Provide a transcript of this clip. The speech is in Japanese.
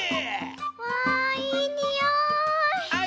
わいいにおい！